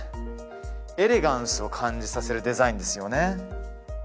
エレガンスを感じさせるデザインですよね